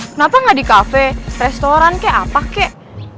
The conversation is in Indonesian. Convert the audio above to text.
kenapa gak di cafe restoran kek apa kek